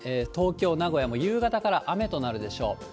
東京、名古屋も夕方から雨となるでしょう。